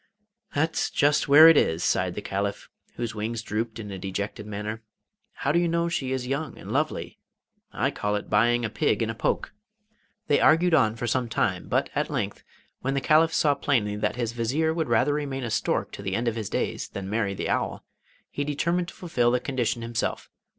'That's just where it is,' sighed the Caliph, whose wings drooped in a dejected manner; 'how do you know she is young and lovely? I call it buying a pig in a poke.' They argued on for some time, but at length, when the Caliph saw plainly that his Vizier would rather remain a stork to the end of his days than marry the owl, he determined to fulfil the condition himself.